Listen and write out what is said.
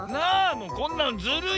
もうこんなのずるい。